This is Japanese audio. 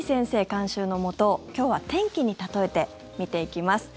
監修のもと今日は天気に例えて見ていきます。